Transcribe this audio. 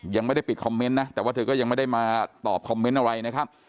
ยังไม่ได้ปิดคอมเมนต์นะแต่ว่าเธอก็ยังไม่ได้มาตอบคอมเมนต์อะไรนะครับ